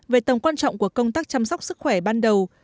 về tầm quan trọng của công tác chăm sóc sức khỏe ban đầu